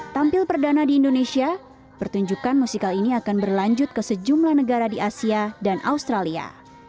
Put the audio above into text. tampil perdana di indonesia pertunjukan musikal ini akan berlanjut ke sejumlah negara di asia dan australia